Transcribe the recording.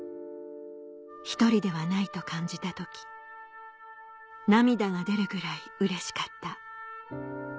「一人ではないと感じた時涙が出るぐらいうれしかった」